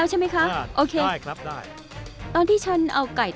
ใช่ตามนี้ใช่ไหม